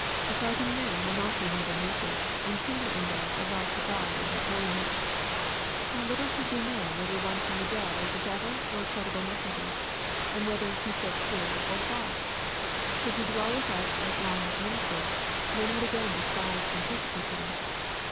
Affrighling men will not renew their natures, and kindle in them a love to God and hoUness. How Uttle should 220 EXPOSITORY THOUGHTS. we know whether one from the dead was a devil or a jri^dible messenger ? and whether he said trae or false ? Should he dwell with us as long as ministers, men would again despise and perse cute him.